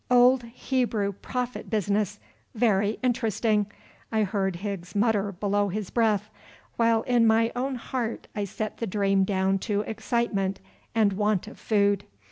"Old Hebrew prophet business! Very interesting," I heard Higgs mutter below his breath, while in my own heart I set the dream down to excitement and want of food.